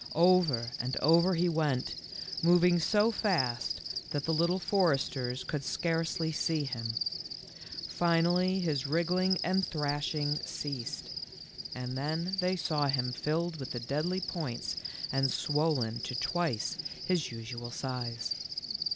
Over and over he went, moving so fast that the Little Foresters could scarcely see him. Finally his wriggling and thrashing ceased, LofC. 100 THE LITTLE FORESTERS. and then they saw him filled with the deadly points and swollen to twice his usual size.